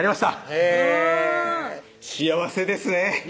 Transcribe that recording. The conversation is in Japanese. へぇ幸せですね